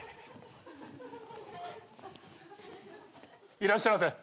いらっしゃいませ。